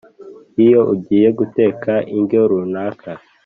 iyo ugiye guteka indyo runaka